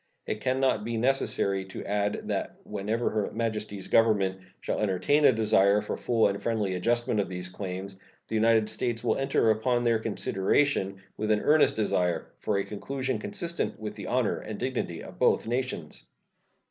It can not be necessary to add that whenever Her Majesty's Government shall entertain a desire for a full and friendly adjustment of these claims the United States will enter upon their consideration with an earnest desire for a conclusion consistent with the honor and dignity of both nations.